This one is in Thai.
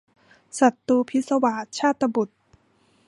ศัตรูพิศวาส - ชาตบุษย์